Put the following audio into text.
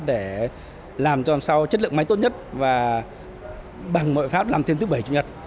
để làm cho làm sao chất lượng máy tốt nhất và bằng mọi pháp làm thêm thứ bảy chủ nhật